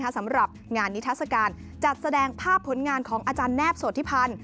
สำหรับงานนิทัศกาลจัดแสดงภาพผลงานของอาจารย์แนบโสธิพันธ์